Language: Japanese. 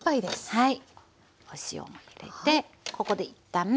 はい。